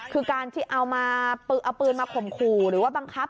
คือการที่เอาปืนมาข่มขู่หรือว่าบังคับ